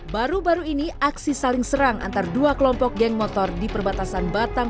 baru baru ini aksi saling serang antara dua kelompok geng motor di perbatasan batam